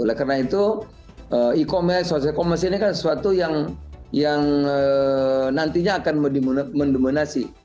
oleh karena itu e commerce social e commerce ini kan sesuatu yang nantinya akan mendominasi